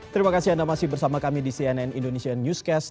terima kasih anda masih bersama kami di cnn indonesia newscast